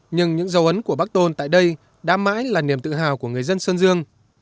nhưng những dấu ấn của bác tôn tại đây đã mãi là niềm tự hào của người dân sơn dương